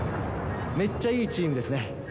めっちゃいいチームですね。